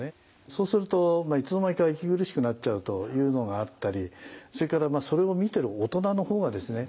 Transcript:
そうするといつの間にか息苦しくなっちゃうというのがあったりそれからそれを見てる大人の方がですね